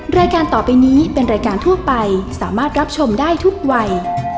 รายการต่อไปนี้เป็นรายการทั่วไปสามารถรับชมได้ทุกวัย